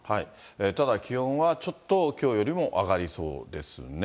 ただ気温は、ちょっときょうよりも上がりそうですね。